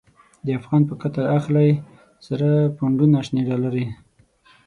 د افغان په قتل اخلی، سره پو نډونه شنی ډالری